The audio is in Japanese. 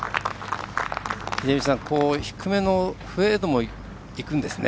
秀道さん、低めのフェードもいくんですね。